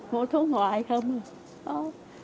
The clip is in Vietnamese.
mua thuốc ngoài không